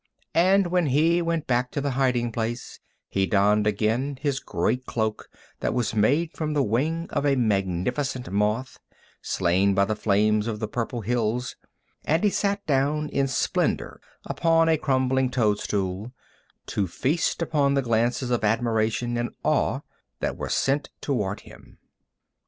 And when he went back to the hiding place he donned again his great cloak that was made from the wing of a magnificent moth, slain by the flames of the purple hills, and sat down in splendor upon a crumbling toadstool, to feast upon the glances of admiration and awe that were sent toward him.